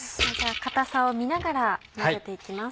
固さを見ながら混ぜて行きます。